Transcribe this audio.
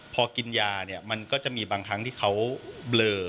พอกินยาเนี่ยมันก็จะมีบางครั้งที่เขาเบลอ